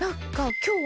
きょうは？